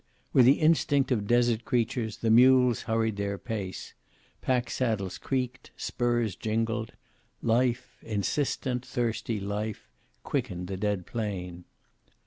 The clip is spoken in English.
With the instinct of desert creatures the mules hurried their pace. Pack saddles creaked, spurs jingled. Life, insistent, thirsty life, quickened the dead plain.